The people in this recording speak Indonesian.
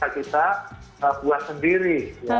kita buat sendiri